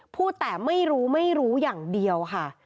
พูดแต่ไม่รู้ไม่รู้อย่างเดียวค่ะ